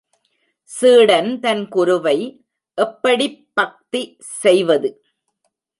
சீடன் தன் குருவை, எப்படிப் பக்தி செய்வது?